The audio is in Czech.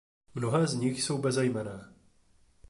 Mnohé z nich jsou bezejmenné.